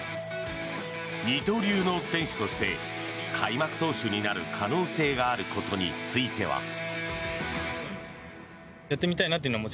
二刀流の選手として開幕投手になる可能性があることについては。